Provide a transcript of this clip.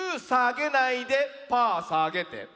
さげないでパーさげて。